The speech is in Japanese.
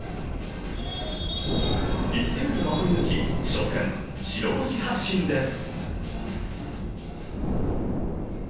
１点を守り抜き、初戦、白星発進です